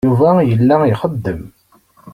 Yuba yella ixeddem.